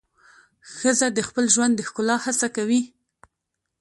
ښځه د خپل ژوند د ښکلا هڅه کوي.